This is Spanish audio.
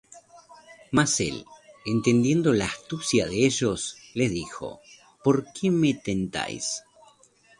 Mas él, entendiendo la astucia de ellos, les dijo: ¿Por qué me tentáis?